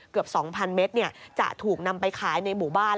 เกือบสองพันเมตรเนี่ยจะถูกนำไปขายในหมู่บ้าน